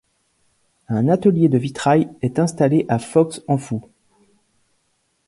Un atelier de vitrail est installé à Fox-Amphoux.